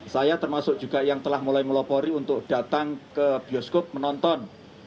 saya termasuk juga yang telah mulai melopori untuk datang ke bioskop menonton